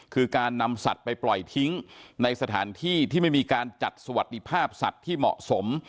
คือการนำสัตว์ไปปล่อยทิ้งในสถานที่ที่ไม่มีการจัดสวัสดิภาพสัตว์ที่เหมาะสม